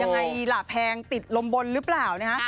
ยังไงล่ะแพงติดลมบนหรือเปล่านะฮะ